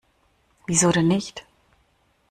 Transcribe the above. Wieso denn nicht?